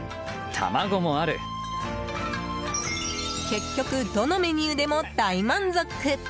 結局どのメニューでも大満足！